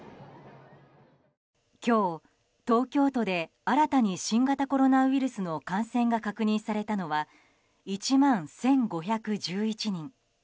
今日、東京都で新たに新型コロナウイルスの感染が確認されたのは１万１５１１人。